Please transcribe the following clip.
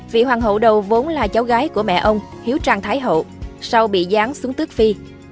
vị hoàng hậu đầu vốn là cháu gái của mẹ ông hiếu trang thái hậu sau bị gián xuống tức phi